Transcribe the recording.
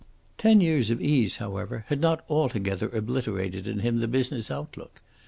Ten years of ease, however, had not altogether obliterated in him the business look.